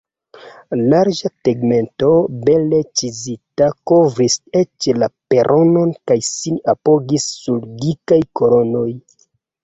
Larĝa tegmento, bele ĉizita, kovris eĉ la peronon kaj sin apogis sur dikaj kolonoj.